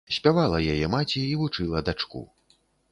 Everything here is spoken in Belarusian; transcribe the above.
Спявала яе маці і вучыла дачку.